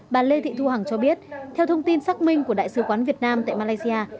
bà lê thị thu hằng cho biết theo thông tin xác minh của đại sứ quán việt nam tại malaysia